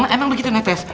emang begitu nefes